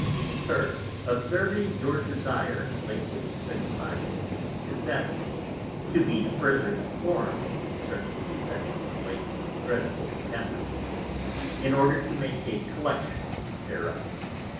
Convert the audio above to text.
_ SIR, Observing your desire (lately signify'd in the Gazette) to be further inform'd concerning the Effects of the late dreadful Tempest, in order to make a Collection thereof.